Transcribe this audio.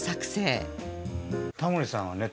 タモリさんはね